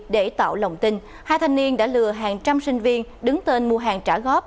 để tạo lòng tin hai thanh niên đã lừa hàng trăm sinh viên đứng tên mua hàng trả góp